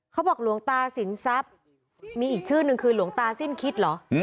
หลวงตาสินทรัพย์มีอีกชื่อนึงคือหลวงตาสิ้นคิดเหรอ